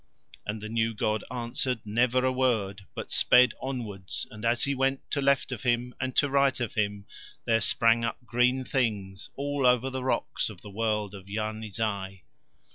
And the new god answered never a word, but sped onwards, and as he went to left of him and to right of him there sprang up green things all over the rocks of the world of Yarni Zai.